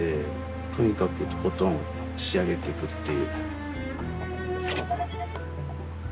とにかくとことん仕上げていくっていう。